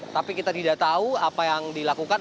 tapi kita tidak tahu apa yang dilakukan